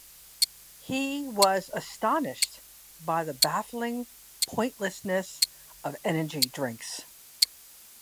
He was astonished by the baffling pointlessness of energy drinks.